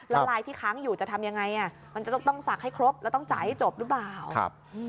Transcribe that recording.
แล้วลายที่ค้างอยู่จะทำยังไงมันจะต้องสักให้ครบแล้วต้องจ่ายให้จบหรือเปล่า